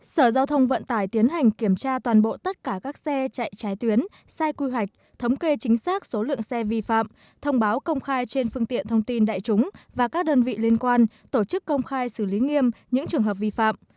sở giao thông vận tải tiến hành kiểm tra toàn bộ tất cả các xe chạy trái tuyến sai quy hoạch thống kê chính xác số lượng xe vi phạm thông báo công khai trên phương tiện thông tin đại chúng và các đơn vị liên quan tổ chức công khai xử lý nghiêm những trường hợp vi phạm